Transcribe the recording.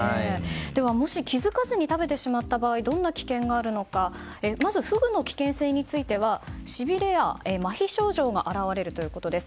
では、もし気づかずに食べてしまった場合どんな危険があるのかまずフグの危険性についてはしびれやまひ症状が現れるということです。